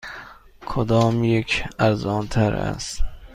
کدامیک ارزان تر است؟